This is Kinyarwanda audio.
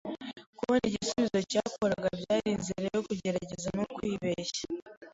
Kubona igisubizo cyakoraga byari inzira yo kugerageza no kwibeshya.